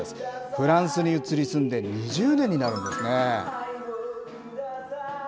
フランスに移り住んで２０年になるんですね。